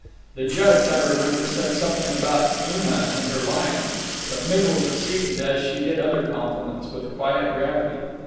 The Judge, I remember, said something about Una and her lion; but Miggles received it as she did other compliments, with quiet gravity.